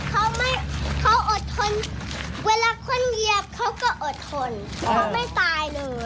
ย่าแพรกเขาเอาทนเวลาคนเรียบเขาก็เอาทนเขาไม่ตายเลย